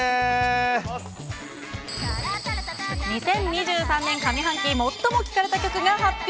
２０２３年上半期最も聴かれた曲が発表。